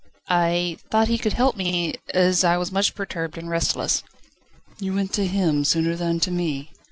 "I thought he could help me, as I was much perturbed and restless." "You went to him sooner than to me?"